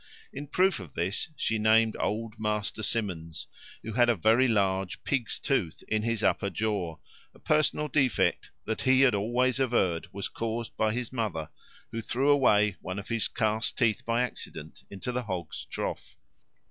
In proof of this she named old Master Simmons, who had a very large pig's tooth in his upper jaw, a personal defect that he always averred was caused by his mother, who threw away one of his cast teeth by accident into the hog's trough.